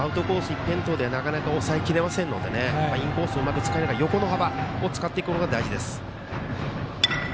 一辺倒ではなかなか抑えきれませんのでインコースをうまく使いながら横の幅を使うのが大事です。